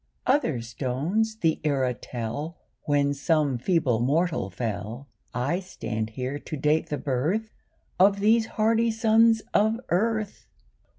Other stones the era tell When some feeble mortal fell; I stand here to date the birth Of these hardy sons of earth.